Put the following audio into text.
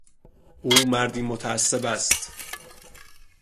او مردی متعصب است.